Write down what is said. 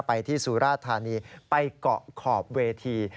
ไปที่สุราธานีไปเกาะขอบเวที